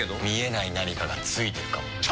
見えない何かがついてるかも。